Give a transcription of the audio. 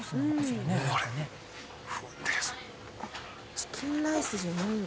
チキンライスじゃないんだ。